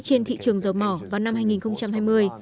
trên thị trường dầu mỏ vào năm hai nghìn hai mươi